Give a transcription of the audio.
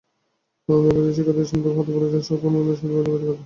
আন্দোলনরত এই শিক্ষার্থীদের শান্ত হতে বলেছেন সড়ক পরিবহন ও সেতুমন্ত্রী ওবায়দুল কাদের।